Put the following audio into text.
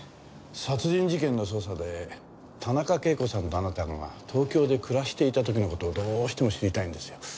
殺人事件の捜査で田中啓子さんとあなたが東京で暮らしていた時の事をどうしても知りたいんですよ。